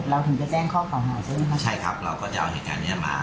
ถึงจะแจ้งข้อเก่าหาใช่ไหมคะใช่ครับเราก็จะเอาเหตุการณ์เนี้ยมา